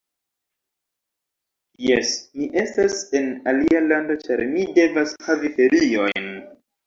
Jes, mi estas en alia lando ĉar mi devas havi feriojn